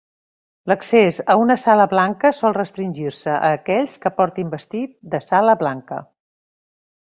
L'accés a una sala blanca sol restringir-se a aquells que portin vestit de sala blanca.